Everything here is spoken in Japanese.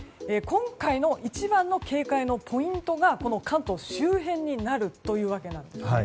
今回の一番の警戒のポイントが関東周辺になるというわけなんです。